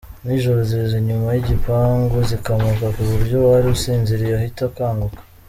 Nijoro ziza inyuma y’igipangu zikamoka ku buryo uwari usinziriye ahita akanguka.